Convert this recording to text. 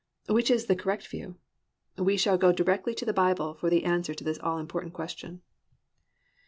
Which is the correct view? We shall go directly to the Bible for the answer to this all important question.